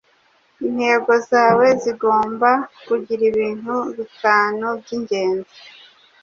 Intego zawe zigomba kugira ibintu bitanu byingenzi